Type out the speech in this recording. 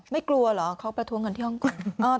ไม่กลัวเหรอเขาประท้วงกันที่ฮ่องกง